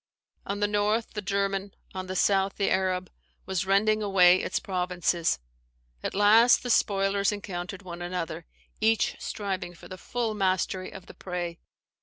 On the north the German, on the south the Arab, was rending away its provinces. At last the spoilers encountered one another, each striving for the full mastery of the prey.